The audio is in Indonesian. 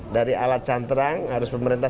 dari alat cantrang harus pemerintah